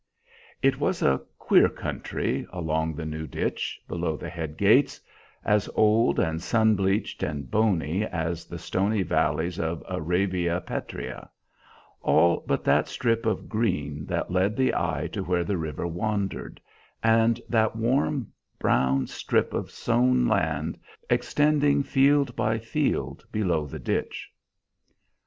It was a queer country along the new ditch below the head gates; as old and sun bleached and bony as the stony valleys of Arabia Petrea; all but that strip of green that led the eye to where the river wandered, and that warm brown strip of sown land extending field by field below the ditch.